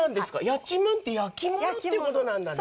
「やちむん」って焼き物ってことなんだね。